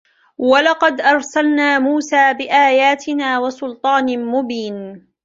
وَلَقَدْ أَرْسَلْنَا مُوسَى بِآيَاتِنَا وَسُلْطَانٍ مُبِينٍ